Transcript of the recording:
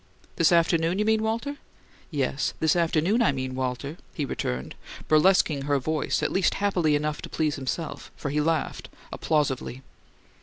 "This afternoon, you mean, Walter?" "Yes, 'this afternoon, I mean, Walter,'" he returned, burlesquing her voice at least happily enough to please himself; for he laughed applausively.